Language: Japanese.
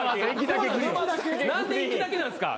何で行きだけなんすか？